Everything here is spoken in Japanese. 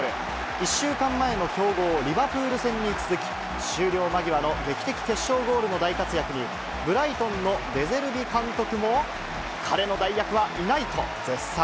１週間前の強豪、リバプール戦に続き、終了間際の劇的決勝ゴールの大活躍に、ブライトンのデゼルビ監督も、彼の代役はいないと、絶賛。